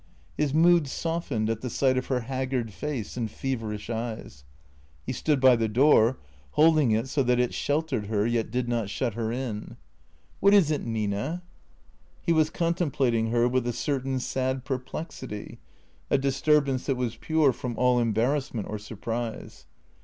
His mood softened at the sight of her haggard face and feverish eyes. He stood by the door, holding it so that it shel tered her yet did not shut her in. " What is it, Nina ?" He was contemplating her with a certain sad perplexity, a disturbance that was pure from all embarrassment or surprise.